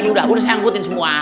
udah saya anggutin semua